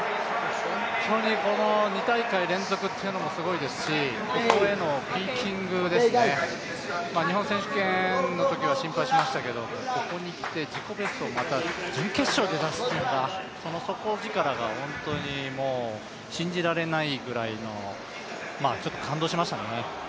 本当にこの２大会連続っていうのもすごいですし、ここへのピーキング、日本選手権のときには心配しましたけど、ここに来て自己ベストを準決勝で出すというその底力が本当に、信じられないぐらいの感動しましたね。